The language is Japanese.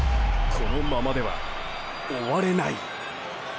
このままでは終われない。